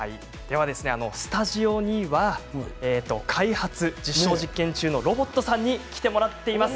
スタジオには開発、実証実験中のロボットさんに来てもらっています。